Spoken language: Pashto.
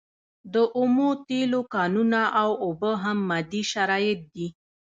د اومو تیلو کانونه او اوبه هم مادي شرایط دي.